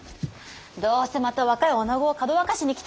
どうせまた若いおなごをかどわかしに来たんじゃろ！